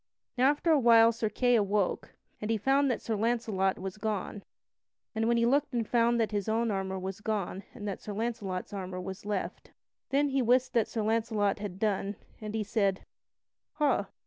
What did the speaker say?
Now after a while Sir Kay awoke, and he found that Sir Launcelot was gone, and when he looked he found that his own armor was gone and that Sir Launcelot's armor was left. Then he wist what Sir Launcelot had done, and he said: "Ha!